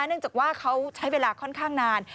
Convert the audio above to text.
เนื่องจากว่าเขาใช้เวลาค่อนข้างนาน